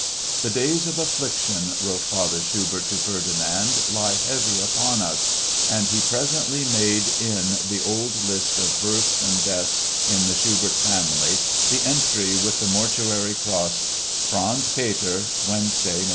"The days of affliction," wrote Father Schubert to Ferdinand, "lie heavy upon us"; and he presently made in the old list of births and deaths in the Schubert family the entry with the mortuary cross: "Franz Peter, Wednesday, Nov.